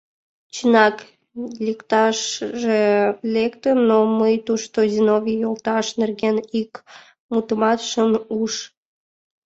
Чынак, лекташыже лектын, но мый тушто Зиновий йолташ нерген ик мутымат шым уж.